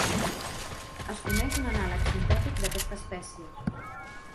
Es coneix un anàleg sintètic d'aquesta espècie.